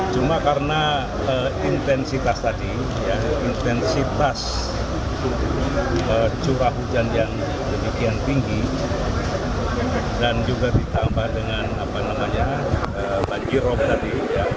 cuma karena intensitas tadi intensitas curah hujan yang demikian tinggi dan juga ditambah dengan banjirop tadi